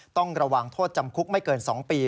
ต้องระวังโทษจำคุกไม่เกิน๒ปี